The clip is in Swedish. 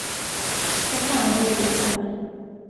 Vad fan håller du på med?